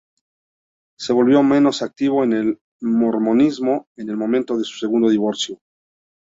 Se volvió menos activo en el mormonismo en el momento de su segundo divorcio.